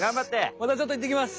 またちょっと行ってきます！